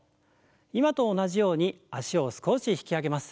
今と同じように脚を少し引き上げます。